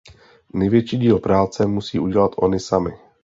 Největší díl práce musí udělat ony samy.